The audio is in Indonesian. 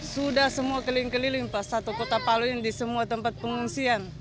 sudah semua keliling keliling pak satu kota palu ini di semua tempat pengungsian